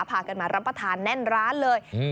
พากันมารับประทานแน่นร้านเลย